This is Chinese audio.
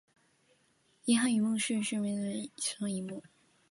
银汉鱼目为辐鳍鱼纲的其中一目。